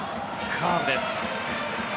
カーブです。